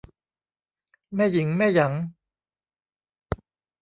แม่หญิงแม่หยัง